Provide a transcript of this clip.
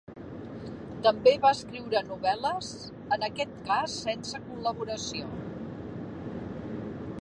També va escriure novel·les, en aquest cas sense col·laboració.